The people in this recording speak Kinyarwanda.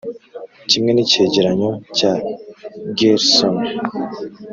kimwe n'icyegeranyo cya gersony